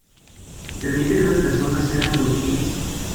Permite que las personas sean productivas.